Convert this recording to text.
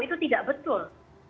itu tidak betul